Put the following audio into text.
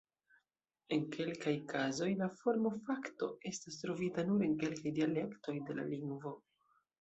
En kelkaj kazoj la formo-fakto estas trovita nur en kelkaj dialektoj de la lingvo.